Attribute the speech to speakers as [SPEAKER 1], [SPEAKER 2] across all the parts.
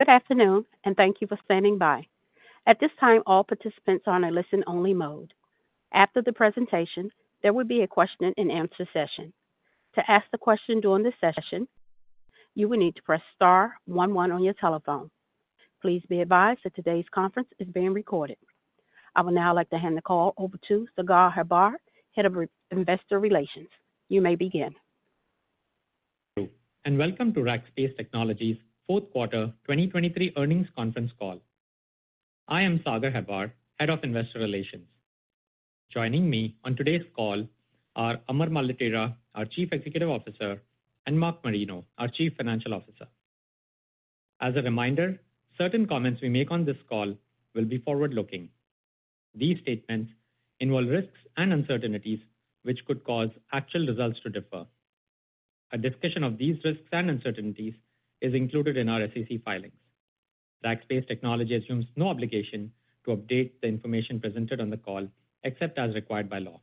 [SPEAKER 1] Good afternoon, and thank you for standing by. At this time, all participants are on a listen-only mode. After the presentation, there will be a question-and-answer session. To ask the question during this session, you will need to press star one one on your telephone. Please be advised that today's conference is being recorded. I would now like to hand the call over to Sagar Hebbar, Head of Investor Relations. You may begin.
[SPEAKER 2] Welcome to Rackspace Technology's Fourth Quarter, 2023 Earnings Conference Call. I am Sagar Hebbar, Head of Investor Relations. Joining me on today's call are Amar Maletira, our Chief Executive Officer, and Mark Marino, our Chief Financial Officer. As a reminder, certain comments we make on this call will be forward-looking. These statements involve risks and uncertainties, which could cause actual results to differ. A discussion of these risks and uncertainties is included in our SEC filings. Rackspace Technology assumes no obligation to update the information presented on the call, except as required by law.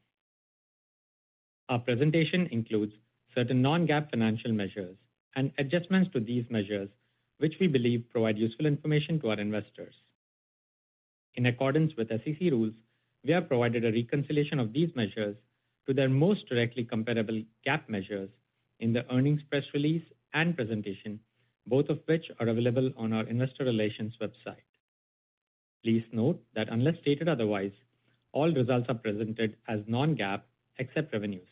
[SPEAKER 2] Our presentation includes certain non-GAAP financial measures and adjustments to these measures, which we believe provide useful information to our investors. In accordance with SEC rules, we have provided a reconciliation of these measures to their most directly comparable GAAP measures in the earnings press release and presentation, both of which are available on our investor relations website. Please note that unless stated otherwise, all results are presented as non-GAAP, except revenues.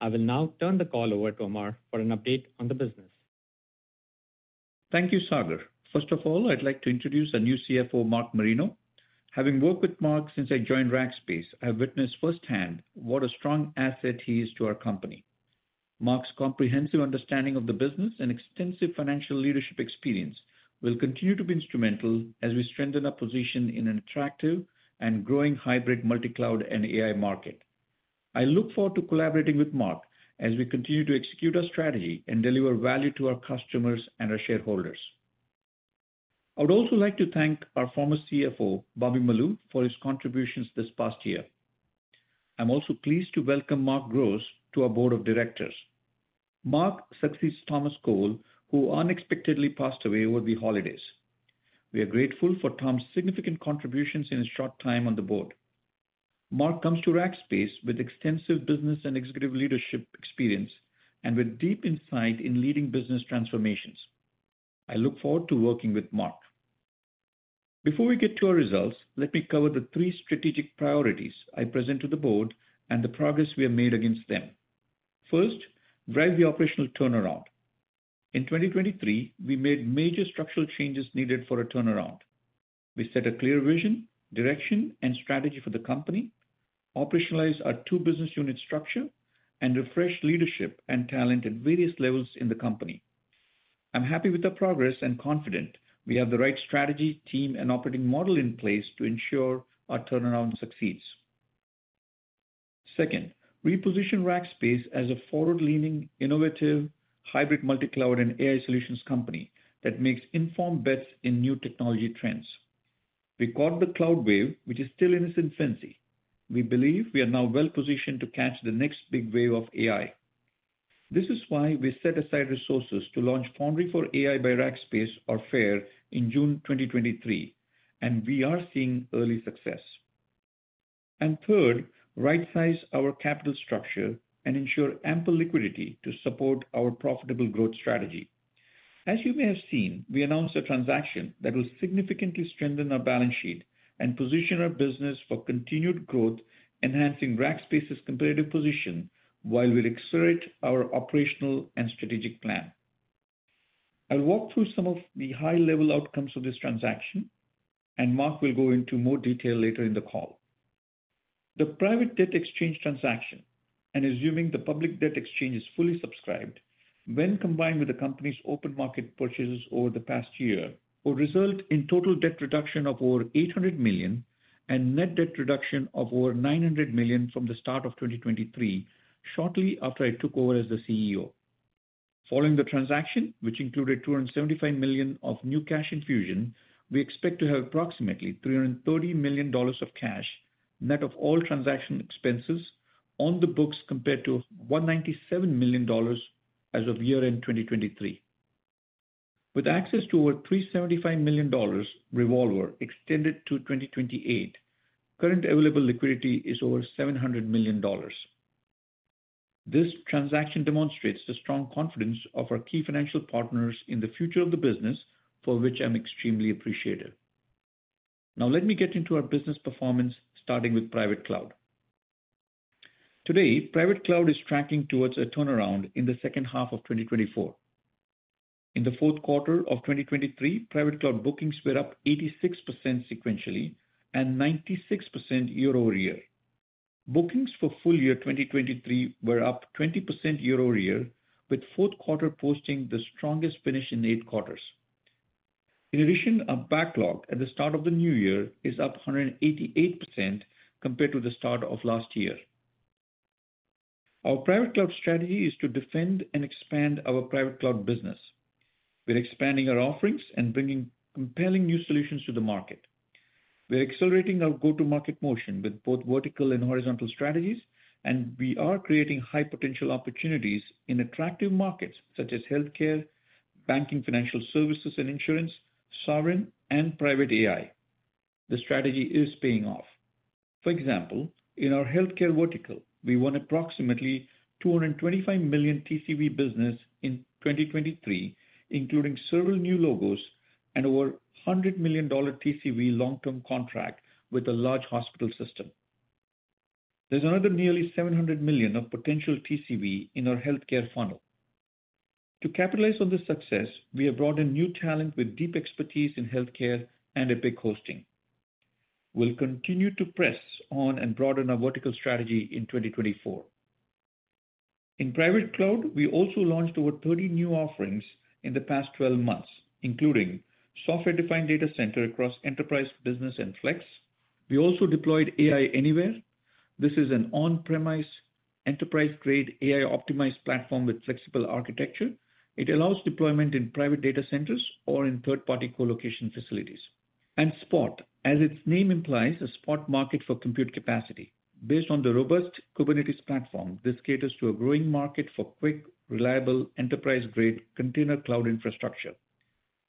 [SPEAKER 2] I will now turn the call over to Amar for an update on the business.
[SPEAKER 3] Thank you, Sagar. First of all, I'd like to introduce our new CFO, Mark Marino. Having worked with Mark since I joined Rackspace, I have witnessed firsthand what a strong asset he is to our company. Mark's comprehensive understanding of the business and extensive financial leadership experience will continue to be instrumental as we strengthen our position in an attractive and growing hybrid multi-cloud and AI market. I look forward to collaborating with Mark as we continue to execute our strategy and deliver value to our customers and our shareholders. I would also like to thank our former CFO, Bobby Molu, for his contributions this past year. I'm also pleased to welcome Mark Gross to our board of directors. Mark succeeds Thomas Cole, who unexpectedly passed away over the holidays. We are grateful for Tom's significant contributions in his short time on the board. Mark comes to Rackspace with extensive business and executive leadership experience, and with deep insight in leading business transformations. I look forward to working with Mark. Before we get to our results, let me cover the three strategic priorities I present to the board and the progress we have made against them. First, drive the operational turnaround. In 2023, we made major structural changes needed for a turnaround. We set a clear vision, direction, and strategy for the company, operationalized our two business unit structure, and refreshed leadership and talent at various levels in the company. I'm happy with the progress and confident we have the right strategy, team, and operating model in place to ensure our turnaround succeeds. Second, reposition Rackspace as a forward-leaning, innovative, hybrid multicloud and AI solutions company that makes informed bets in new technology trends. We caught the cloud wave, which is still in its infancy. We believe we are now well-positioned to catch the next big wave of AI. This is why we set aside resources to launch Foundry for AI by Rackspace, or FAIR, in June 2023, and we are seeing early success. And third, rightsize our capital structure and ensure ample liquidity to support our profitable growth strategy. As you may have seen, we announced a transaction that will significantly strengthen our balance sheet and position our business for continued growth, enhancing Rackspace's competitive position while we accelerate our operational and strategic plan. I'll walk through some of the high-level outcomes of this transaction, and Mark will go into more detail later in the call. The private debt exchange transaction, and assuming the public debt exchange is fully subscribed, when combined with the company's open market purchases over the past year, will result in total debt reduction of over $800 million and net debt reduction of over $900 million from the start of 2023, shortly after I took over as the CEO. Following the transaction, which included $275 million of new cash infusion, we expect to have approximately $330 million of cash, net of all transaction expenses, on the books, compared to $197 million as of year-end 2023. With access to over $375 million revolver extended to 2028, current available liquidity is over $700 million. This transaction demonstrates the strong confidence of our key financial partners in the future of the business, for which I'm extremely appreciative. Now, let me get into our business performance, starting with private cloud. Today, private cloud is tracking towards a turnaround in the second half of 2024. In the fourth quarter of 2023, private cloud bookings were up 86% sequentially and 96% year-over-year. Bookings for full year 2023 were up 20% year-over-year, with fourth quarter posting the strongest finish in 8 quarters. In addition, our backlog at the start of the new year is up 188% compared to the start of last year. Our private cloud strategy is to defend and expand our private cloud business. We're expanding our offerings and bringing compelling new solutions to the market.. We're accelerating our go-to-market motion with both vertical and horizontal strategies, and we are creating high potential opportunities in attractive markets such as healthcare, banking, financial services, and insurance, sovereign, and private AI. The strategy is paying off. For example, in our healthcare vertical, we won approximately $225 million TCV business in 2023, including several new logos and over $100 million TCV long-term contract with a large hospital system. There's another nearly $700 million of potential TCV in our healthcare funnel. To capitalize on this success, we have brought in new talent with deep expertise in healthcare and Epic Hosting. We'll continue to press on and broaden our vertical strategy in 2024. In private cloud, we also launched over 30 new offerings in the past 12 months, including software-defined data center across Enterprise, Business, and Flex. We also deployed AI Anywhere. This is an on-premise enterprise-grade AI-optimized platform with flexible architecture. It allows deployment in private data centers or in third-party colocation facilities. Spot, as its name implies, a spot market for compute capacity. Based on the robust Kubernetes platform, this caters to a growing market for quick, reliable, enterprise-grade container cloud infrastructure.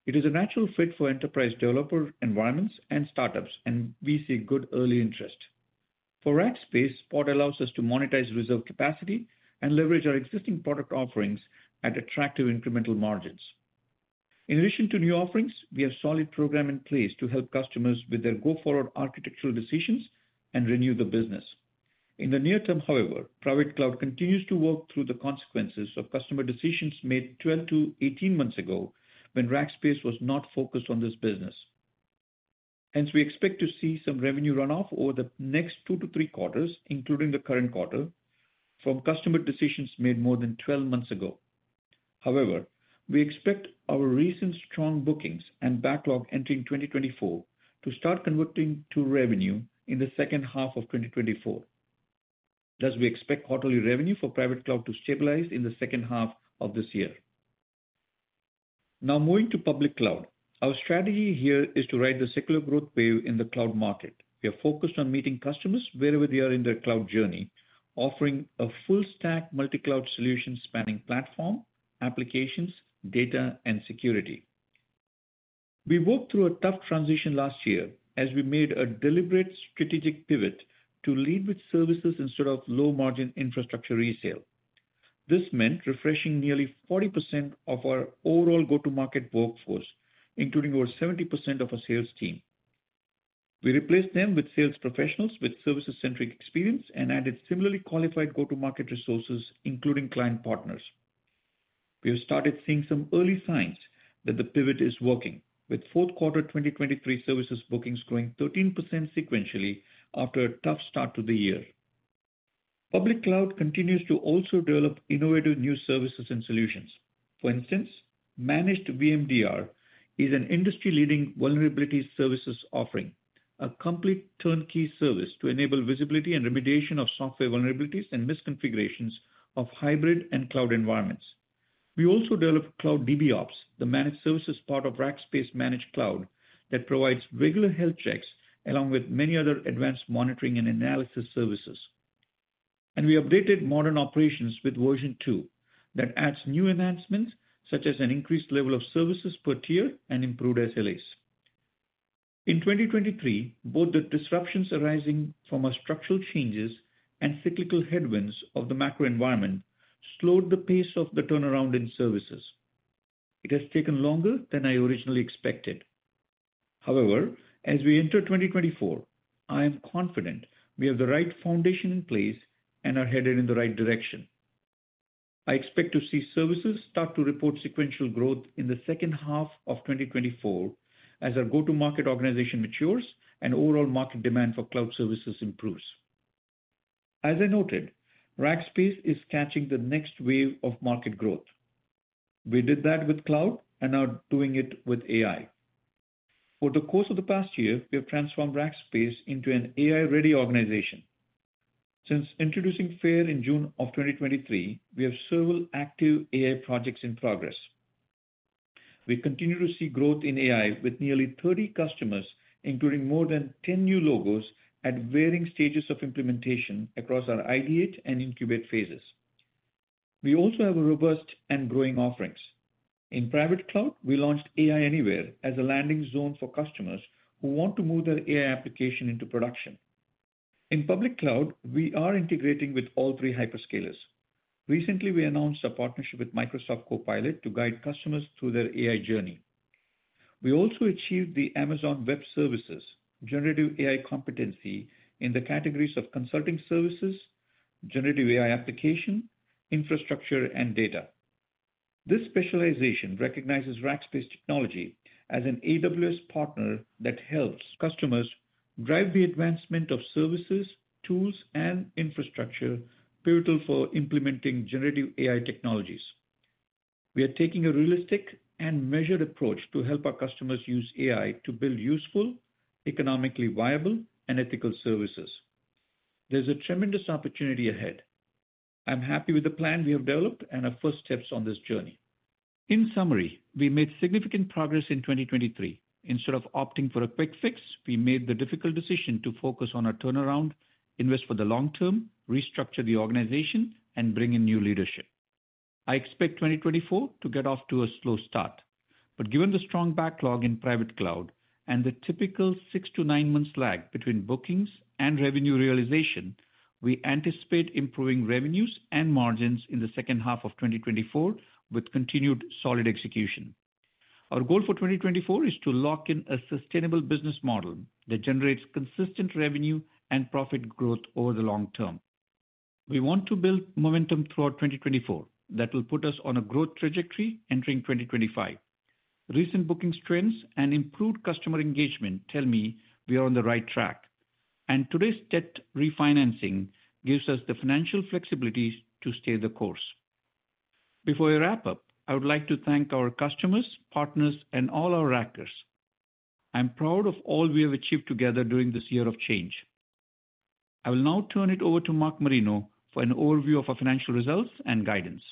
[SPEAKER 3] It is a natural fit for enterprise developer environments and startups, and we see good early interest. For Rackspace, Spot allows us to monetize reserve capacity and leverage our existing product offerings at attractive incremental margins. In addition to new offerings, we have solid program in place to help customers with their go-forward architectural decisions and renew the business. In the near term, however, private cloud continues to work through the consequences of customer decisions made 12-18 months ago when Rackspace was not focused on this business. Hence, we expect to see some revenue runoff over the next two to three quarters, including the current quarter, from customer decisions made more than 12 months ago. However, we expect our recent strong bookings and backlog entering 2024 to start converting to revenue in the second half of 2024, thus we expect quarterly revenue for private cloud to stabilize in the second half of this year. Now, moving to public cloud. Our strategy here is to ride the secular growth wave in the cloud market. We are focused on meeting customers wherever they are in their cloud journey, offering a full-stack multi-cloud solution spanning platform, applications, data, and security. We worked through a tough transition last year as we made a deliberate strategic pivot to lead with services instead of low-margin infrastructure resale. This meant refreshing nearly 40% of our overall go-to-market workforce, including over 70% of our sales team. We replaced them with sales professionals with services-centric experience and added similarly qualified go-to-market resources, including client partners. We have started seeing some early signs that the pivot is working, with fourth quarter 2023 services bookings growing 13% sequentially after a tough start to the year. Public Cloud continues to also develop innovative new services and solutions. For instance, Managed VMDR is an industry-leading vulnerability services offering, a complete turnkey service to enable visibility and remediation of software vulnerabilities and misconfigurations of hybrid and cloud environments. We also developed Cloud DB Ops, the managed services part of Rackspace Managed Cloud, that provides regular health checks, along with many other advanced monitoring and analysis services. We updated Modern Operations with version two that adds new enhancements, such as an increased level of services per tier and improved SLAs. In 2023, both the disruptions arising from our structural changes and cyclical headwinds of the macro environment slowed the pace of the turnaround in services. It has taken longer than I originally expected. However, as we enter 2024, I am confident we have the right foundation in place and are headed in the right direction. I expect to see services start to report sequential growth in the second half of 2024 as our go-to-market organization matures and overall market demand for cloud services improves. As I noted, Rackspace is catching the next wave of market growth. We did that with cloud and are doing it with AI. Over the course of the past year, we have transformed Rackspace into an AI-ready organization. Since introducing FAIR in June 2023, we have several active AI projects in progress. We continue to see growth in AI with nearly 30 customers, including more than 10 new logos, at varying stages of implementation across our Ideate and Incubate phases. We also have a robust and growing offerings. In private cloud, we launched AI Anywhere as a landing zone for customers who want to move their AI application into production. In public cloud, we are integrating with all three hyperscalers. Recently, we announced a partnership with Microsoft Copilot to guide customers through their AI journey. We also achieved the Amazon Web Services Generative AI Competency in the categories of consulting services, generative AI application, infrastructure, and data. This specialization recognizes Rackspace Technology as an AWS partner that helps customers drive the advancement of services, tools, and infrastructure pivotal for implementing generative AI technologies. We are taking a realistic and measured approach to help our customers use AI to build useful, economically viable, and ethical services.... There's a tremendous opportunity ahead. I'm happy with the plan we have developed and our first steps on this journey. In summary, we made significant progress in 2023. Instead of opting for a quick fix, we made the difficult decision to focus on our turnaround, invest for the long term, restructure the organization, and bring in new leadership. I expect 2024 to get off to a slow start, but given the strong backlog in private cloud and the typical six to nine months lag between bookings and revenue realization, we anticipate improving revenues and margins in the second half of 2024, with continued solid execution. Our goal for 2024 is to lock in a sustainable business model that generates consistent revenue and profit growth over the long term. We want to build momentum throughout 2024 that will put us on a growth trajectory entering 2025. Recent bookings trends and improved customer engagement tell me we are on the right track, and today's debt refinancing gives us the financial flexibility to stay the course. Before we wrap up, I would like to thank our customers, partners, and all our Rackers. I'm proud of all we have achieved together during this year of change. I will now turn it over to Mark Marino for an overview of our financial results and guidance.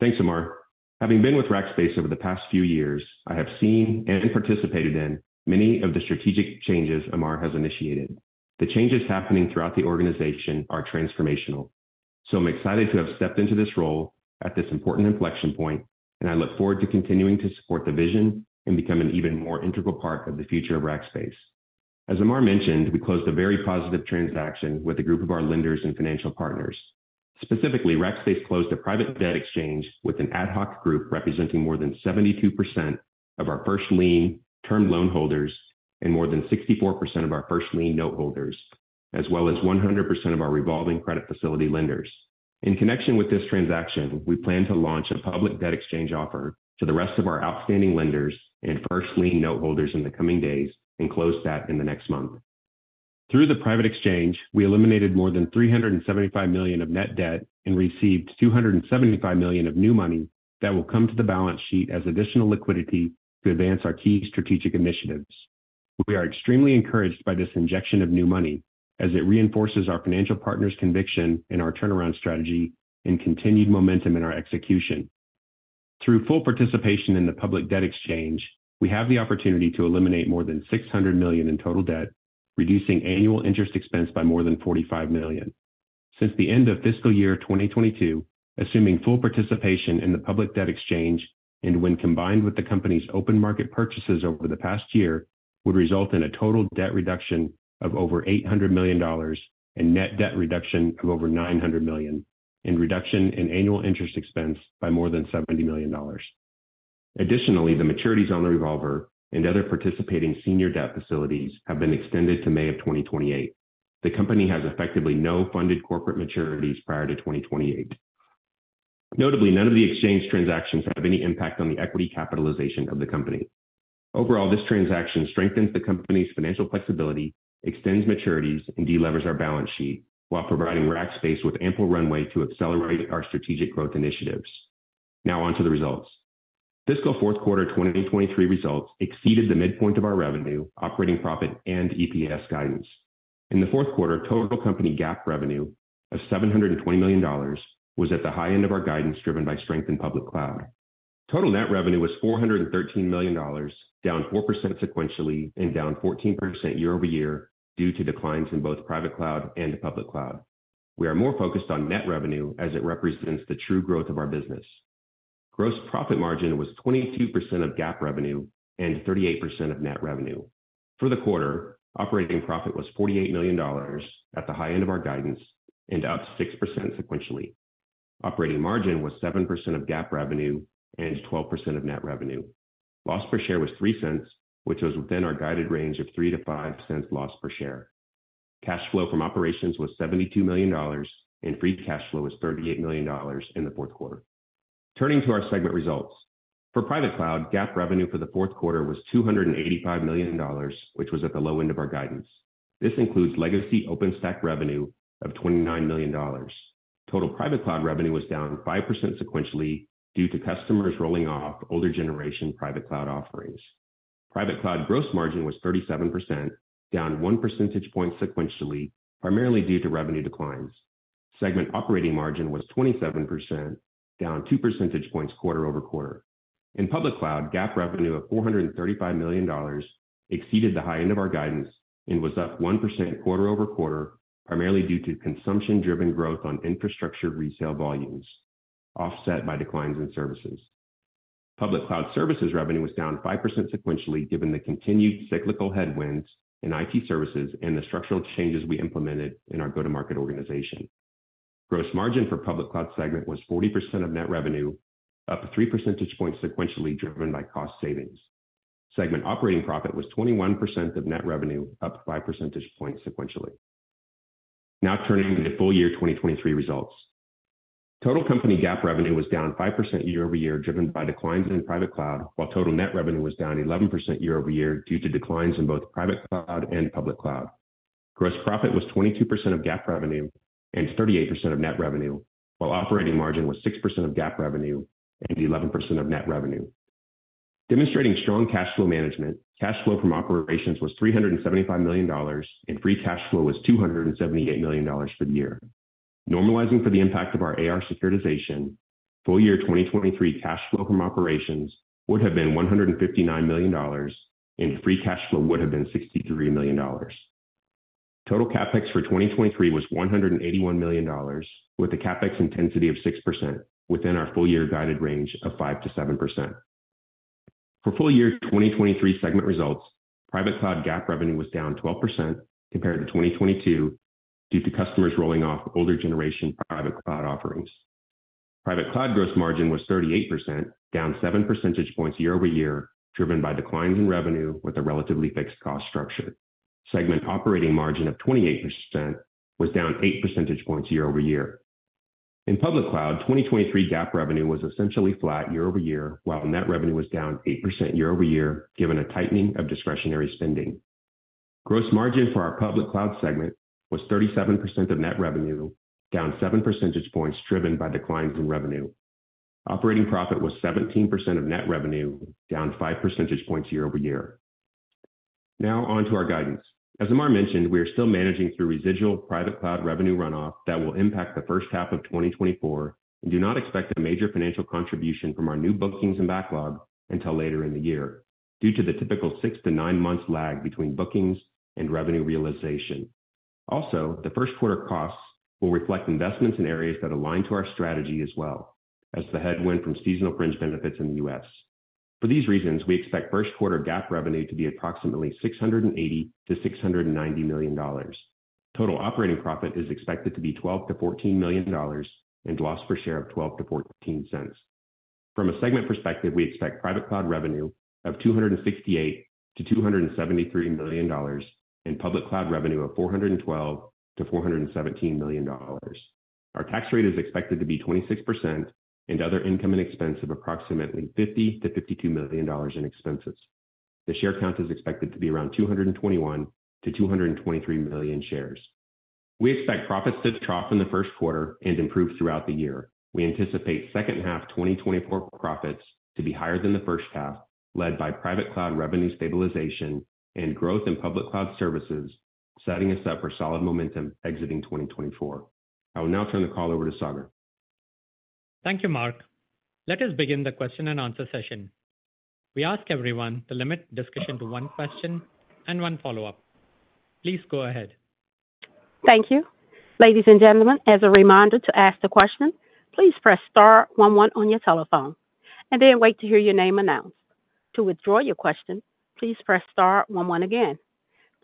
[SPEAKER 4] Thanks, Amar. Having been with Rackspace over the past few years, I have seen and participated in many of the strategic changes Amar has initiated. The changes happening throughout the organization are transformational, so I'm excited to have stepped into this role at this important inflection point, and I look forward to continuing to support the vision and become an even more integral part of the future of Rackspace. As Amar mentioned, we closed a very positive transaction with a group of our lenders and financial partners. Specifically, Rackspace closed a private debt exchange with an ad hoc group representing more than 72% of our first lien term loan holders and more than 64% of our first lien note holders, as well as 100% of our revolving credit facility lenders. In connection with this transaction, we plan to launch a public debt exchange offer to the rest of our outstanding lenders and first lien note holders in the coming days and close that in the next month. Through the private exchange, we eliminated more than $375 million of net debt and received $275 million of new money that will come to the balance sheet as additional liquidity to advance our key strategic initiatives. We are extremely encouraged by this injection of new money as it reinforces our financial partners' conviction in our turnaround strategy and continued momentum in our execution. Through full participation in the public debt exchange, we have the opportunity to eliminate more than $600 million in total debt, reducing annual interest expense by more than $45 million. Since the end of fiscal year 2022, assuming full participation in the public debt exchange and when combined with the company's open market purchases over the past year, would result in a total debt reduction of over $800 million and net debt reduction of over $900 million, and reduction in annual interest expense by more than $70 million. Additionally, the maturities on the revolver and other participating senior debt facilities have been extended to May of 2028. The company has effectively no funded corporate maturities prior to 2028. Notably, none of the exchange transactions have any impact on the equity capitalization of the company. Overall, this transaction strengthens the company's financial flexibility, extends maturities, and de-levers our balance sheet while providing Rackspace with ample runway to accelerate our strategic growth initiatives. Now on to the results. Fiscal fourth quarter 2023 results exceeded the midpoint of our revenue, operating profit, and EPS guidance. In the fourth quarter, total company GAAP revenue of $720 million was at the high end of our guidance, driven by strength in public cloud. Total net revenue was $413 million, down 4% sequentially and down 14% year-over-year due to declines in both private cloud and public cloud. We are more focused on net revenue as it represents the true growth of our business. Gross profit margin was 22% of GAAP revenue and 38% of net revenue. For the quarter, operating profit was $48 million at the high end of our guidance and up 6% sequentially. Operating margin was 7% of GAAP revenue and 12% of net revenue. Loss per share was $0.03, which was within our guided range of $0.03-$0.05 loss per share. Cash flow from operations was $72 million, and free cash flow was $38 million in the fourth quarter. Turning to our segment results. For private cloud, GAAP revenue for the fourth quarter was $285 million, which was at the low end of our guidance. This includes legacy OpenStack revenue of $29 million. Total private cloud revenue was down 5% sequentially due to customers rolling off older generation private cloud offerings. Private cloud gross margin was 37%, down one percentage point sequentially, primarily due to revenue declines. Segment operating margin was 27%, down two percentage points quarter-over-quarter. In public cloud, GAAP revenue of $435 million exceeded the high end of our guidance and was up 1% quarter-over-quarter, primarily due to consumption-driven growth on infrastructure resale volumes, offset by declines in services. Public cloud services revenue was down 5% sequentially, given the continued cyclical headwinds in IT services and the structural changes we implemented in our go-to-market organization. Gross margin for public cloud segment was 40% of net revenue, up 3 percentage points sequentially driven by cost savings. Segment operating profit was 21% of net revenue, up 5 percentage points sequentially. Now turning to the full year 2023 results. Total company GAAP revenue was down 5% year-over-year, driven by declines in private cloud, while total net revenue was down 11% year-over-year due to declines in both private cloud and public cloud. Gross profit was 22% of GAAP revenue and 38% of net revenue, while operating margin was 6% of GAAP revenue and 11% of net revenue. Demonstrating strong cash flow management, cash flow from operations was $375 million, and free cash flow was $278 million for the year. Normalizing for the impact of our AR securitization, full year 2023 cash flow from operations would have been $159 million, and free cash flow would have been $63 million. Total CapEx for 2023 was $181 million, with a CapEx intensity of 6% within our full year guided range of 5%-7%. For full year 2023 segment results, Private Cloud GAAP revenue was down 12% compared to 2022, due to customers rolling off older generation Private Cloud offerings. Private Cloud gross margin was 38%, down 7 percentage points year-over-year, driven by declines in revenue with a relatively fixed cost structure. Segment operating margin of 28% was down 8 percentage points year-over-year. In Public Cloud, 2023 GAAP revenue was essentially flat year-over-year, while net revenue was down 8% year-over-year, given a tightening of discretionary spending. Gross margin for our Public Cloud segment was 37% of net revenue, down 7 percentage points, driven by declines in revenue. Operating profit was 17% of net revenue, down 5 percentage points year-over-year. Now on to our guidance. As Amar mentioned, we are still managing through residual Private Cloud revenue runoff that will impact the first half of 2024, and do not expect a major financial contribution from our new bookings and backlog until later in the year, due to the typical six to nine months lag between bookings and revenue realization. Also, the first quarter costs will reflect investments in areas that align to our strategy, as well as the headwind from seasonal fringe benefits in the U.S. For these reasons, we expect first quarter GAAP revenue to be approximately $680 million-$690 million. Total operating profit is expected to be $12 million-$14 million, and loss per share of $0.12-$0.14. From a segment perspective, we expect Private Cloud revenue of $268 million-$273 million, and Public Cloud revenue of $412 million-$417 million. Our tax rate is expected to be 26% and other income and expense of approximately $50 million-$52 million in expenses. The share count is expected to be around 221 million-223 million shares. We expect profits to trough in the first quarter and improve throughout the year. We anticipate second half 2024 profits to be higher than the first half, led by Private Cloud revenue stabilization and growth in Public Cloud services, setting us up for solid momentum exiting 2024. I will now turn the call over to Sagar.
[SPEAKER 2] Thank you, Mark. Let us begin the question-and-answer session. We ask everyone to limit discussion to one question and one follow-up. Please go ahead.
[SPEAKER 1] Thank you. Ladies and gentlemen, as a reminder to ask the question, please press star one, one on your telephone and then wait to hear your name announced. To withdraw your question, please press star one, one again.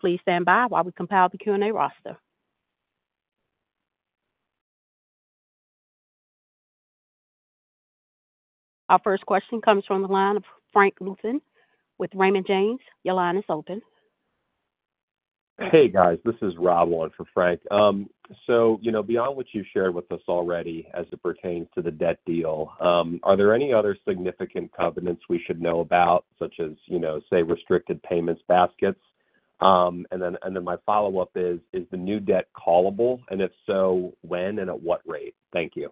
[SPEAKER 1] Please stand by while we compile the Q&A roster. Our first question comes from the line of Frank Louthan with Raymond James. Your line is open.
[SPEAKER 5] Hey, guys, this is Rob on for Frank. So, you know, beyond what you've shared with us already as it pertains to the debt deal, are there any other significant covenants we should know about, such as, you know, say, restricted payments baskets? And then my follow-up is, is the new debt callable? And if so, when and at what rate? Thank you.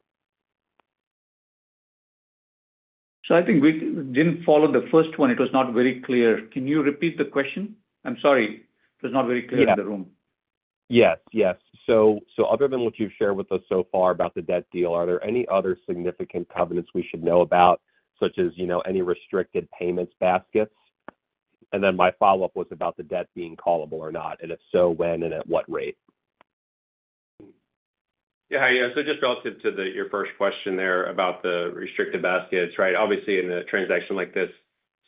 [SPEAKER 3] So I think we didn't follow the first one. It was not very clear. Can you repeat the question? I'm sorry, it was not very clear in the room.
[SPEAKER 5] Yes, yes. So, other than what you've shared with us so far about the debt deal, are there any other significant covenants we should know about, such as, you know, any restricted payments baskets? And then my follow-up was about the debt being callable or not, and if so, when and at what rate?
[SPEAKER 4] Yeah. Yeah. So just relative to the, your first question there about the restricted baskets, right? Obviously, in a transaction like this,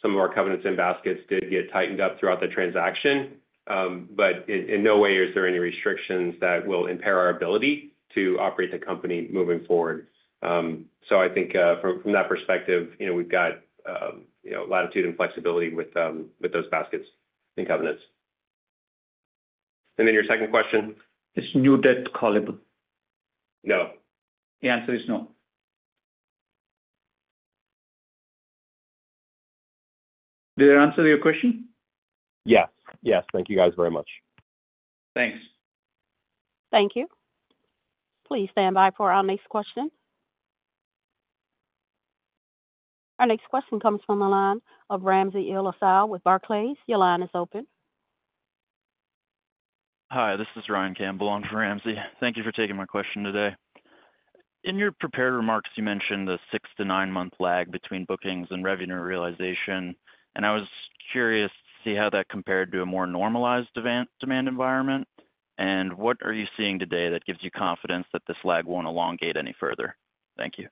[SPEAKER 4] some of our covenants and baskets did get tightened up throughout the transaction. But in, in no way is there any restrictions that will impair our ability to operate the company moving forward. So I think, from, from that perspective, you know, we've got, you know, latitude and flexibility with, with those baskets and covenants. And then your second question?
[SPEAKER 3] Is new debt callable?
[SPEAKER 4] No.
[SPEAKER 6] The answer is no. Did I answer your question?
[SPEAKER 5] Yes. Yes. Thank you guys very much.
[SPEAKER 4] Thanks.
[SPEAKER 1] Thank you. Please stand by for our next question. Our next question comes from the line of Ramsey El-Assal with Barclays. Your line is open.
[SPEAKER 6] Hi, this is Ryan Campbell on for Ramsey. Thank you for taking my question today. In your prepared remarks, you mentioned the six to ninemonth lag between bookings and revenue realization, and I was curious to see how that compared to a more normalized demand environment. What are you seeing today that gives you confidence that this lag won't elongate any further? Thank you.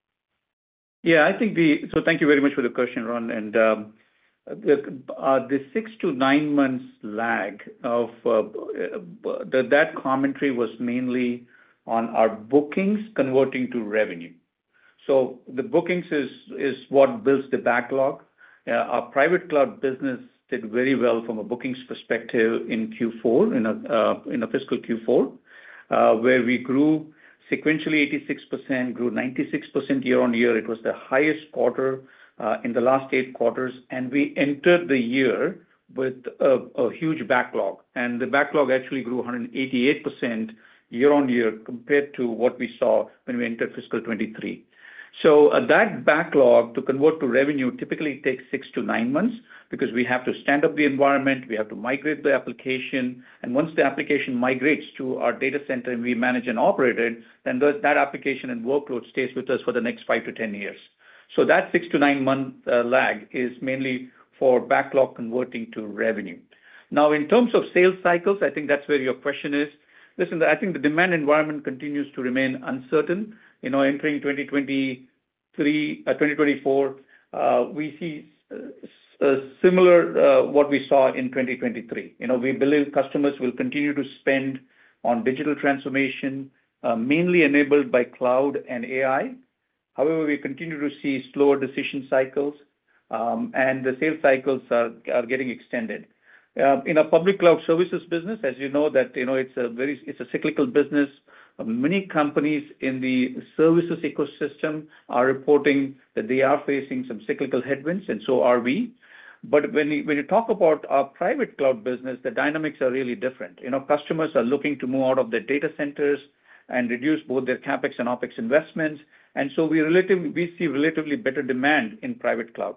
[SPEAKER 3] Yeah, I think. So thank you very much for the question, Rob. And, the six to nine months lag of, that commentary was mainly on our bookings converting to revenue. So the bookings is what builds the backlog. Our Private Cloud business did very well from a bookings perspective in Q4, in a fiscal Q4, where we grew sequentially 86%, grew 96% year-on-year. It was the highest quarter in the last eight quarters, and we entered the year with a huge backlog. And the backlog actually grew 188% year-on-year compared to what we saw when we entered fiscal 2023.... So, that backlog to convert to revenue typically takes six to nine months because we have to stand up the environment, we have to migrate the application, and once the application migrates to our data center, and we manage and operate it, then that application and workload stays with us for the next five to 10 years. So that six to nine-month lag is mainly for backlog converting to revenue. Now, in terms of sales cycles, I think that's where your question is. Listen, I think the demand environment continues to remain uncertain. You know, entering 2023, 2024, we see similar what we saw in 2023. You know, we believe customers will continue to spend on digital transformation, mainly enabled by cloud and AI. However, we continue to see slower decision cycles, and the sales cycles are getting extended. In our public cloud services business, as you know, you know, it's a cyclical business. Many companies in the services ecosystem are reporting that they are facing some cyclical headwinds, and so are we. But when you talk about our private cloud business, the dynamics are really different. You know, customers are looking to move out of their data centers and reduce both their CapEx and OpEx investments, and so we see relatively better demand in private cloud.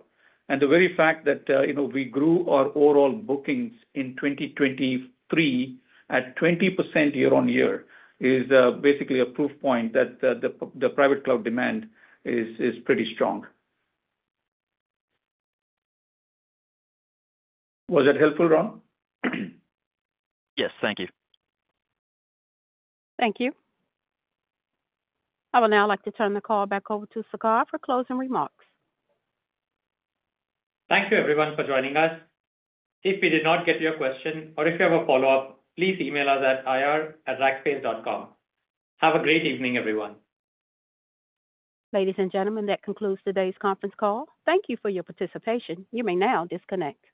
[SPEAKER 3] And the very fact that, you know, we grew our overall bookings in 2023 at 20% year-over-year is basically a proof point that the private cloud demand is pretty strong. Was that helpful, Rob?
[SPEAKER 1] Yes. Thank you. Thank you. I would now like to turn the call back over to Sagar for closing remarks.
[SPEAKER 2] Thank you everyone for joining us. If we did not get your question, or if you have a follow-up, please email us at ir@rackspace.com. Have a great evening, everyone.
[SPEAKER 1] Ladies and gentlemen, that concludes today's conference call. Thank you for your participation. You may now disconnect.